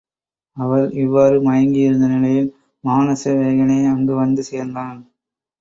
அவள் இவ்வாறு மயங்கி இருந்த நிலையில் மானசவேகனே அங்கு வந்து சேர்ந்தான்.